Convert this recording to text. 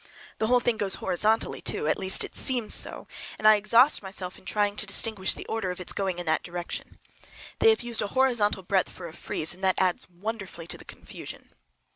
The whole thing goes horizontally, too, at least it seems so, and I exhaust myself in trying to distinguish the order of its going in that direction. They have used a horizontal breadth for a frieze, and that adds wonderfully to the confusion.